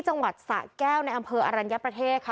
จังหวัดสะแก้วในอำเภออรัญญประเทศค่ะ